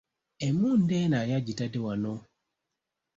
Emmundu eno ani agitadde wano?